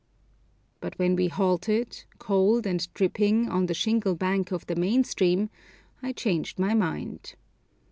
But when we halted, cold and dripping, on the shingle bank of the main stream I changed my mind.